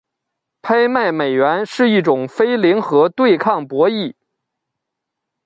拍卖美元是一种非零和对抗博弈。